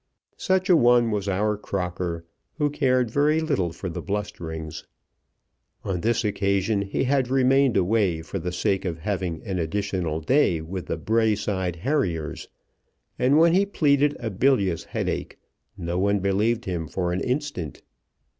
Such a one was our Crocker, who cared very little for the blusterings. On this occasion he had remained away for the sake of having an additional day with the Braeside Harriers, and when he pleaded a bilious headache no one believed him for an instant.